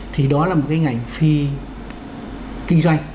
thì đó là một cái ngành phi kinh doanh